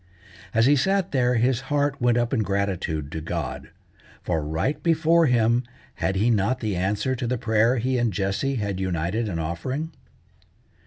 As he sat there his heart went up in gratitude to God, for right before him had he not the answer to the prayer he and Jessie had united in offering?